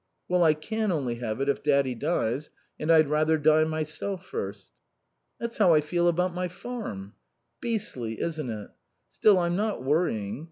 "Well, I can only have it if Daddy dies, and I'd rather die myself first." "That's how I feel about my farm." "Beastly, isn't it? Still, I'm not worrying.